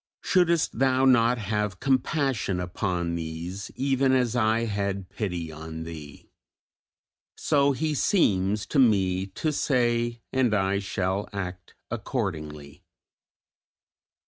"Shouldest thou not have had compassion upon these, even as I had pity on thee?" So He seems to me to say, and I shall act accordingly.